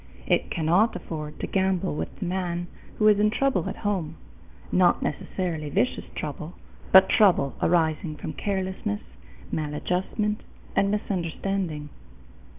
It cannot afford to gamble with the man who is in trouble at home not necessarily vicious trouble, but trouble arising from carelessness, maladjustment, and misunderstanding.